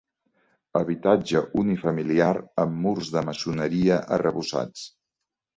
Habitatge unifamiliar amb murs de maçoneria arrebossats.